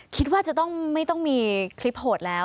คิดว่าจะต้องไม่ต้องมีคลิปโหดแล้ว